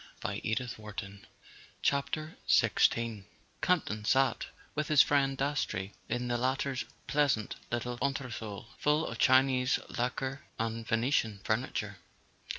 A SON AT THE FRONT XVI AMPTON sat with his friend Dastrey in the latter's pleasant little entresol full of Chinese lacquer and Venetian furniture.